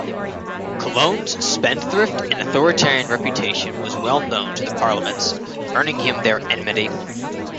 Calonne's spendthrift and authoritarian reputation was well-known to the parlements, earning him their enmity.